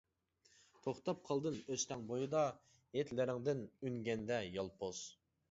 توختاپ قالدىم ئۆستەڭ بويىدا، ھىدلىرىڭدىن ئۈنگەندە يالپۇز.